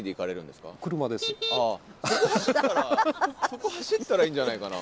そこ走ったらいいんじゃないかな。